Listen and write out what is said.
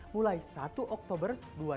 mulai satu oktober dua ribu dua puluh